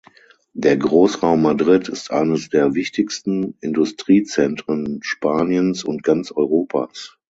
Der Großraum Madrid ist eines der wichtigsten Industriezentren Spaniens und ganz Europas.